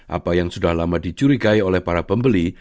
apa yang sudah lama dicurigai oleh para pembeli